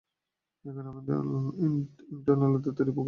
এখানে আমি ইটারনালদের তৈরি ও প্রোগ্রাম করেছি।